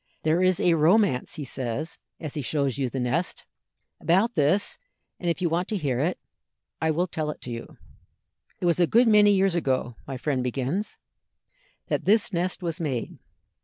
"There is a romance," he says, as he shows you the nest, "about this, and if you want to hear it, I will tell it to you." "It was a good many years ago," my friend begins, "that this nest was made.